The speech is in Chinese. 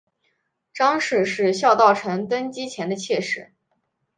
张氏是萧道成登基前的妾室。